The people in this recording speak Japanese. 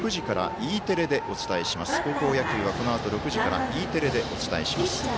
高校野球はこのあと６時からＥテレでお伝えします。